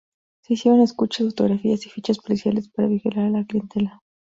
Se hicieron escuchas, fotografías y fichas policiales para vigilar a la clientela.